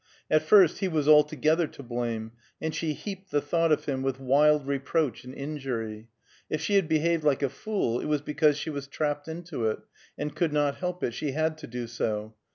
At first he was altogether to blame, and she heaped the thought of him with wild reproach and injury; if she had behaved like a fool, it was because she was trapped into it, and could not help it; she had to do so.